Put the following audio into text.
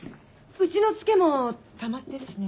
うちのツケもたまってるしね。